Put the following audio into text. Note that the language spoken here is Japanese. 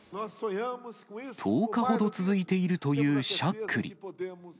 １０日ほど続いているというしゃっくり。